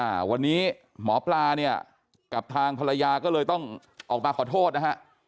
อ่าวันนี้หมอปลาเนี่ยกับทางภรรยาก็เลยต้องออกมาขอโทษนะฮะ